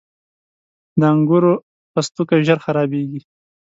• د انګور پوستکی ژر خرابېږي.